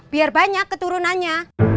biar banyak keturunannya